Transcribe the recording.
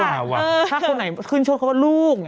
ถ้าคนไหนขึ้นโชคเขาว่าลูก